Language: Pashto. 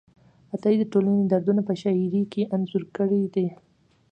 عطایي د ټولنې دردونه په شاعرۍ کې انځور کړي دي.